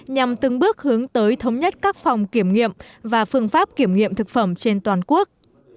nhằm từng bước hướng tới thống nhất các phòng kiểm nghiệm và phương pháp kiểm nghiệm thực phẩm trên toàn quốc